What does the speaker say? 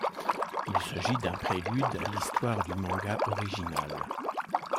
Il s'agit d'un prélude à l'histoire du manga original.